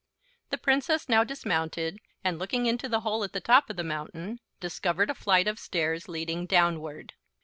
The Princess now dismounted and, looking into the hole at the top of the mountain, discovered a flight of stairs leading downward.